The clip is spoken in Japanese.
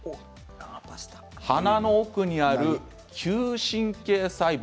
鼻の奥にある嗅神経細胞。